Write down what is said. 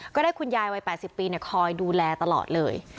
คุณยายวัย๘๐ปีคอยดูแลตลอดเลย